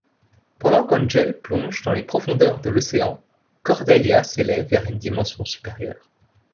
Pendant qu'Angel plonge dans les profondeurs de l'océan, Cordelia s'élève vers une dimension supérieure.